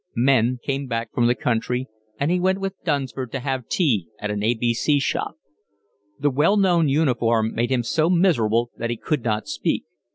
Men came back from the country, and he went with Dunsford to have tea at an A. B. C. shop. The well known uniform made him so miserable that he could not speak.